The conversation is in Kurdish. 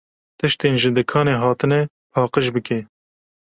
Tiştên ji dikanê hatine paqij bike.